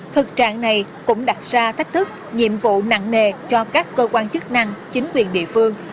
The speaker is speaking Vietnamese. thực trạng này cũng đặt ra thách thức nhiệm vụ nặng nề cho các cơ quan chức năng chính quyền địa phương